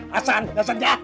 hasan hasan ya